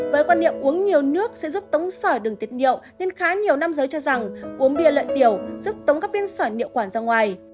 với quan điểm uống nhiều nước sẽ giúp tống sỏi đừng tiết nhiệm nên khá nhiều năm giới cho rằng uống bia lợi tiểu giúp tống các biến sỏi nhiệm quản ra ngoài